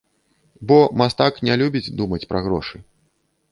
Бо, мастак не любіць думаць пра грошы.